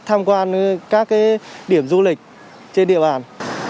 tham quan các điểm du lịch trên địa bàn